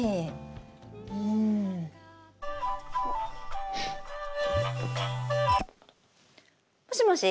うん。もしもし？